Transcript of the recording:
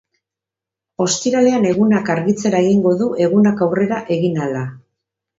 Ostiralean egunak argitzera egingo du egunak aurrera egin ahala.